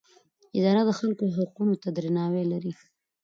اداره د خلکو حقونو ته درناوی لري.